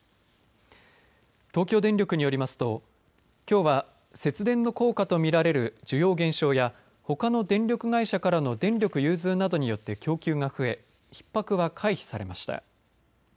東京電力によりますときょうは節電の効果と見られる需要減少や、ほかの電力会社からの電力融通などによって供給が増えひっ迫は回避されました。